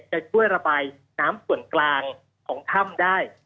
จะช่วยระบายน้ำส่วนกลางของถ้ำได้